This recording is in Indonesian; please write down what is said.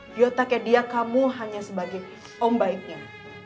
dia tak kayak dia kamu hanya sebagai om baiknya